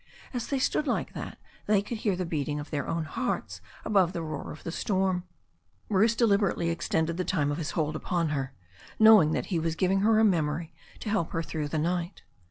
As they stood like that they could hear the beating of their own hearts above the roar of the storm. Bruce deliber ately extended the time of his hold upon her, knowing that he was giving her a memory to help her through the night.